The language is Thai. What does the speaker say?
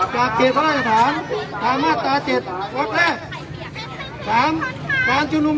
การชุมรุมต่อผู้ดับแก้งก่อนเริ่มการชุมรุม